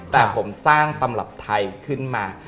แต่ผมสร้างตำรับไทยขึ้นมา